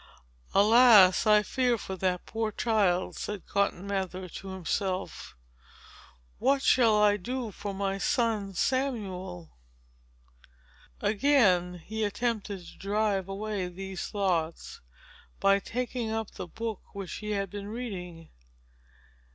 "Alas! I fear for that poor child," said Cotton Mather to himself. "What shall I do for my son Samuel?" Again, he attempted to drive away these thoughts, by taking up the book which he had been reading.